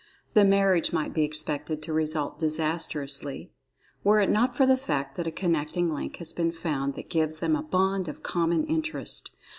The marriage might be expected to result disastrously, were it not for the fact that a connecting link has been found that gives them a bond of common interest.